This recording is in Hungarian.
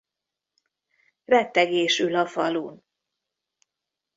Rettegés ül a falun.